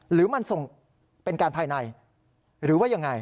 หรือมันส่งเป็นการภายใน